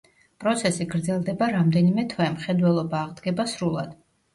პროცესი გრძელდება რამდენიმე თვე, მხედველობა აღდგება სრულად.